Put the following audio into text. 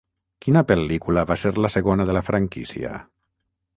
Quina pel·lícula va ser la segona de la franquícia?